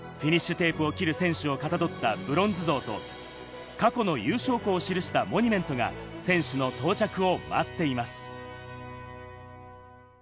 テープを切る選手をかたどったブロンズ像と、過去の優勝校を記したモニュメントが選手の到着を待っています。